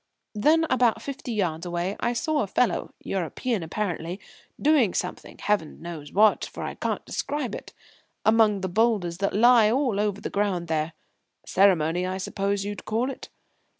Then, about fifty yards away, I saw a fellow European apparently doing something Heaven knows what, for I can't describe it among the boulders that lie all over the ground there. Ceremony, I suppose you'd call it.